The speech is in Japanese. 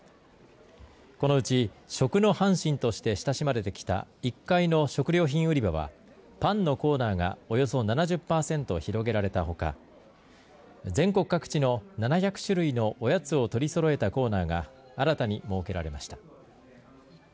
このうち、食の阪神として親しまれてきた１階の食料品売り場はパンのコーナーが、およそ７０パーセント広げられたほか全国各地の７００種類のおやつを取りそろえたコーナーが新たに設けられました。